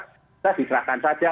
kita diserahkan saja